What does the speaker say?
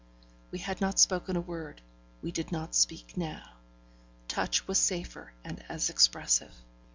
We had not spoken a word; we did not speak now. Touch was safer and as expressive.